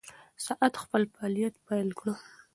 ساعت خپل فعالیت پیل کړی دی.